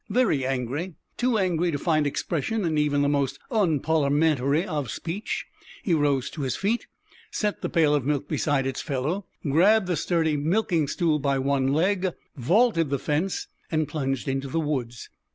Very angry too angry to find expression in even the most unparliamentary of speech he rose to his feet, set the pail of milk beside its fellow, grabbed the sturdy milking stool by one leg, vaulted the fence, and plunged into the woods.